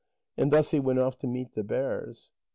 And thus he went off to meet the bears.